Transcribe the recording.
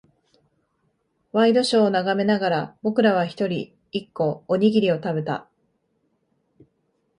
ワイドショーを眺めながら、僕らは一人、一個、おにぎりを食べた。